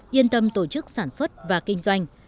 yên tâm tổ chức sản xuất và kinh doanh